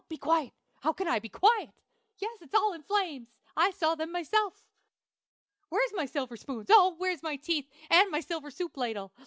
Be quiet! How can I be quiet? Yes, it is all in flames. I saw them myself! Where's my silver spoons? Oh, where's my teeth, and my silver soup ladle?